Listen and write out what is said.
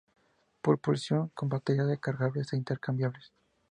Propulsión por baterías recargables e intercambiables.